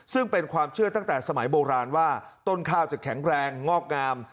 ซึ่งเป็นความเชื่อตั้งแต่สมัยโบราณว่าต้นข้าวจะแข็งแรงงอกงาม